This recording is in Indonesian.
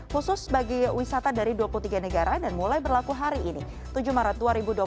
khusus bagi wisata dari dua puluh tiga negara dan mulai berlaku hari ini tujuh maret dua ribu dua puluh satu